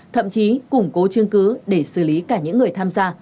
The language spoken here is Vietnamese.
thậm chí củng cố chương cứu để xử lý cả những người tham gia